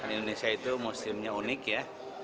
indonesia itu muslimnya unik ya